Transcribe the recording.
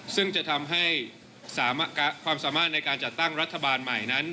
ซึ่งจะทำให้ความสามารถในการจัดตั้งรัฐบาลใหม่นั้น